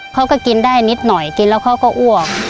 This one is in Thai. เขาก็กินได้นิดหน่อยกินแล้วเขาก็อ้วก